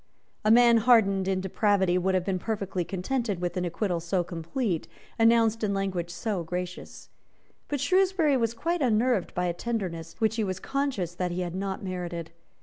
A man hardened in depravity would have been perfectly contented with an acquittal so complete, announced in language so gracious. But Shrewsbury was quite unnerved by a tenderness which he was conscious that he had not merited.